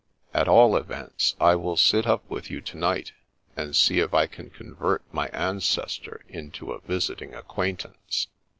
At all events, I will sit up with you to night, and see if I can convert my ancestor into a visiting acquaintance.